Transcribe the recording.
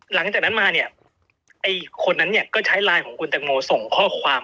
หลังจากนั้นมาเนี่ยไอ้คนนั้นเนี่ยก็ใช้ไลน์ของคุณตังโมส่งข้อความ